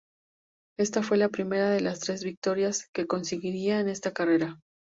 Esta fue la primera de las tres victorias que conseguiría en esta carrera.